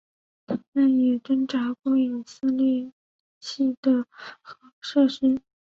它们也侦察过以色列的核设施。